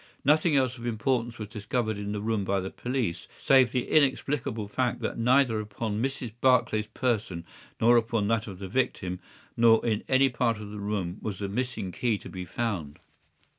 Nothing else of importance was discovered in the room by the police, save the inexplicable fact that neither upon Mrs. Barclay's person nor upon that of the victim nor in any part of the room was the missing key to be found.